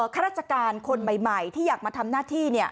ข้าราชการคนใหม่ที่อยากมาทำหน้าที่